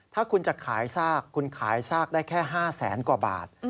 ถ้าคุณจะขายซากคุณขายซากได้แค่๕แสนกว่าบาท